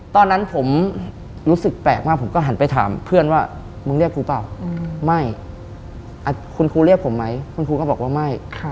ตอนนั้นผมรู้สึกแปลกมากผมก็หันไปถามเพื่อนว่ามึงเรียกกูเปล่าไม่คุณครูเรียกผมไหมคุณครูก็บอกว่าไม่